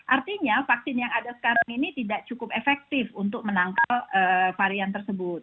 artinya vaksin yang ada sekarang ini tidak cukup efektif untuk menangkal varian tersebut